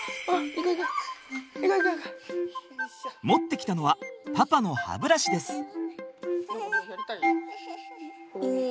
持ってきたのはパパの歯ブラシです。